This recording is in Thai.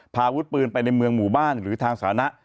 พาอาวุธปืนไปในเมืองหมู่บ้านหรือทางสาธารณะ